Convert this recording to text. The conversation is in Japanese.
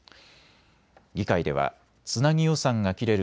議会ではつなぎ予算が切れる